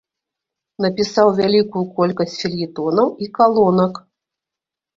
Напісаў вялікую колькасць фельетонаў і калонак.